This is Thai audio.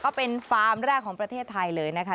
ฟาร์มแรกของประเทศไทยเลยนะคะ